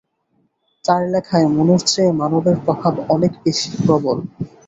তার লেখায় মনুর চেয়ে মানবের প্রভাব অনেক বেশি প্রবল।